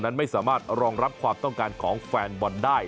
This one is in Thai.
นั้นไม่สามารถรองรับความต้องการของแฟนบอลได้